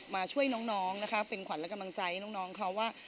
มาช่วยน้องนะคะเป็นขวัญและกำลังใจให้น้องเขาว่า